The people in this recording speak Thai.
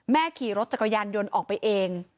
ขี่รถจักรยานยนต์ออกไปเอง